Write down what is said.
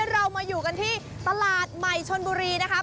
เรามาอยู่กันที่ตลาดใหม่ชนบุรีนะครับ